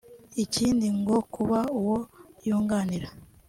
Ikindi ngo kuba uwo yunganira